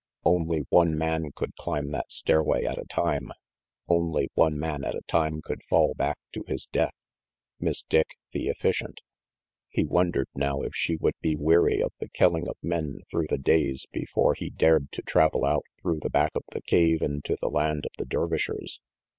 Only one man could climb that stairway at a time; only one man at a time could fall back to his death. Miss Dick, the efficient, he wondered now if she RANGY PETE 383 would weary of the killing of men through the days before he dared to travel out through the back of the cave into the land of the Dervishers.